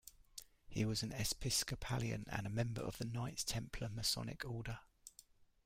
He was an Episcopalian and a member of the Knights Templar Masonic Order.